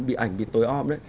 bị ảnh bị tối om đấy